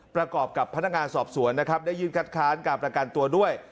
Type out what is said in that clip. ประกอบกับพนักงานสอบสวนนะครับได้ยื่นคัดค้านการประกันตัวด้วย